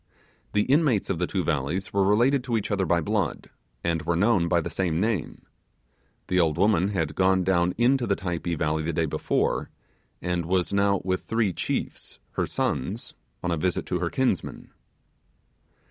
The inmates of the two valleys were related to each other by blood, and were known by the same name. The old woman had gone down into the Typee valley the day before, and was now with three chiefs, her sons, on a visit to her kinsmen.